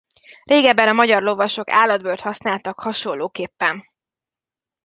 Régebben a magyar lovasok állatbőrt használtak hasonlóképpen.